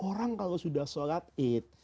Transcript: orang kalau sudah sholat id